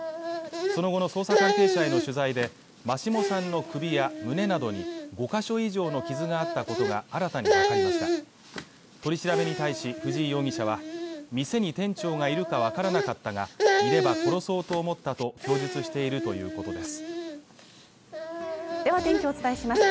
その後の捜査関係者への取材で真下さんの首や胸などに５か所以上の傷があったことが新たに分かりました取り調べに対し藤井容疑者は店に店長がいるかわからなかったがいれば殺そうと思ったと供述しているということですでは天気をお伝えします